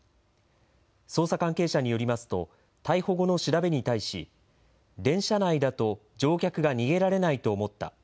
捜査関係者によりますと、逮捕後の調べに対し、電車内だと乗客が逃げられないと思った。